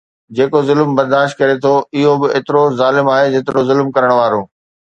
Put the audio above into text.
جيڪو ظلم برداشت ڪري ٿو اهو به ايترو ظالم آهي جيترو ظلم ڪرڻ وارو